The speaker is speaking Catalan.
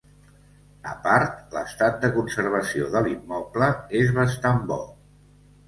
A part, l'estat de conservació de l'immoble és bastant bo.